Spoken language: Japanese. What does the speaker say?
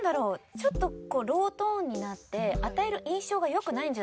ちょっとこうロートーンになって与える印象が良くないんじゃ。